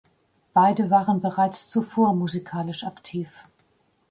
Beide waren bereits zuvor musikalisch aktiv.